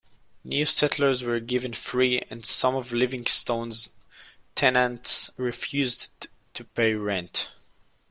New settlers were given free, and some of Livingston's tenants refused to pay rent.